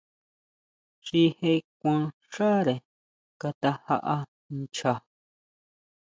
Xi je kuan xáre Kata jaʼa ncha.